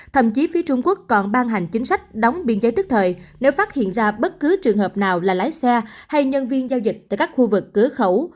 thậm chí phía trung quốc còn ban hành chính sách đóng biên giới tức thời nếu phát hiện ra bất cứ trường hợp nào là lái xe hay nhân viên giao dịch tại các khu vực cửa khẩu